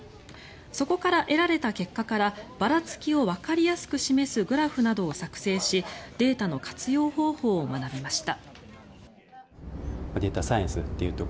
そこから得られた結果からばらつきをわかりやすく示すグラフなどを作成しデータの活用方法を学びました。